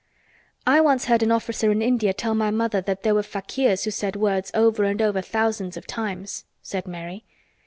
"I once heard an officer in India tell my mother that there were fakirs who said words over and over thousands of times," said Mary.